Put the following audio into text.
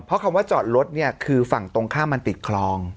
เพราะคำว่าจอดรถเนี่ยคือฝั่งตรงข้ามมันติดคลอง